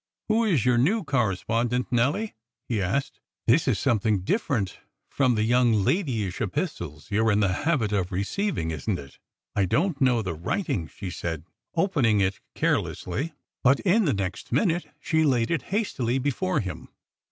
"Who is your new correspondent, Nelly?" he asked. "This is something different from the young ladyish epistles you are in the habit of receiving, isn't it?" "I don't know the writing," she said, opening it carelessly. But in the next minute she laid it hastily before him.